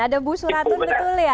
ada bu suratun betul ya